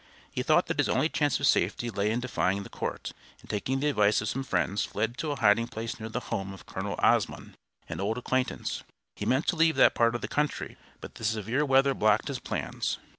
He thought that his only chance of safety lay in defying the court, and taking the advice of some friends fled to a hiding place near the home of Colonel Osmun, an old acquaintance. He meant to leave that part of the country, but the severe weather blocked his plans.